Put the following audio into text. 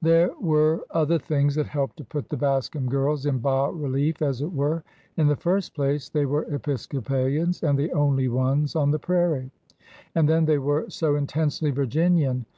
There were other things that helped to put the Bascom girls in has relief, as it were. In the first place, they were Episcopalians, and the only ones on the prairie. And then they were so intensely Virginian.